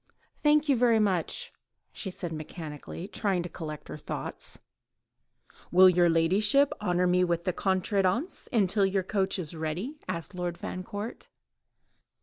"Thank you very much," she said mechanically, trying to collect her thoughts. "Will your ladyship honour me with the contredanse until your coach is ready?" asked Lord Fancourt.